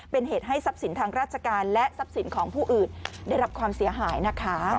เป็นเหตุให้ทรัพย์สินทางราชการและทรัพย์สินของผู้อื่นได้รับความเสียหายนะคะ